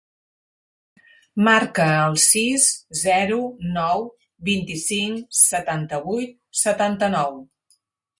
Marca el sis, zero, nou, vint-i-cinc, setanta-vuit, setanta-nou.